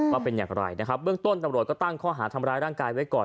ว่าเป็นอย่างไรนะครับเบื้องต้นตำรวจก็ตั้งข้อหาทำร้ายร่างกายไว้ก่อน